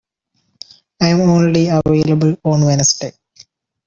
I am only available on Wednesday.